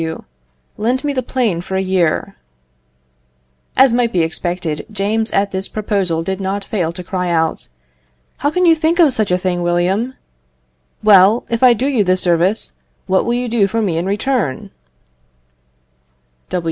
W. Lend me the plane for a year. As might be expected, James at this proposal did not fail to cry out, "How can you think of such a thing, William? Well, if I do you this service, what will you do for me in return?"